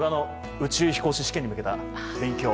宇宙飛行士試験に向けた勉強を。